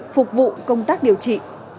phục vụ công tác điều trị